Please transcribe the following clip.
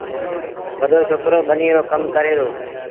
وڏو ڇوڪرو ٻنيٚ رو ڪم ڪري دو۔